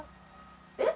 えっ？